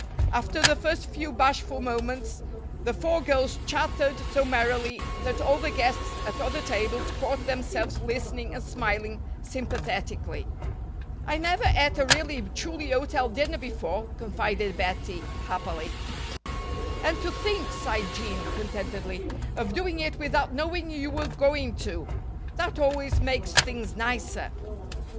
After the first few bashful moments, the four girls chattered so merrily that all the guests at other tables caught themselves listening and smiling sympathetically. "I never ate a really truly hotel dinner before," confided Bettie, happily. "And to think," sighed Jean, contentedly, "of doing it without knowing you were going to! That always makes things nicer."